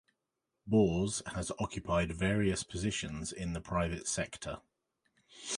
Bours has occupied various positions in the private sector.